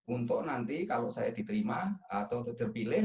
untuk nanti kalau saya diterima atau terpilih